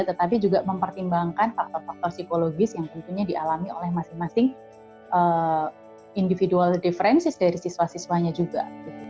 tetapi juga mempertimbangkan faktor faktor psikologis yang tentunya dialami oleh masing masing individual differences dari siswa siswanya juga